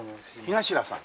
東良さん？